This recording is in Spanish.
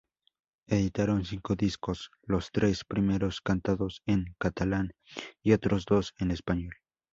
Editaron cinco discos, los tres primeros cantados en catalán y otros dos en español.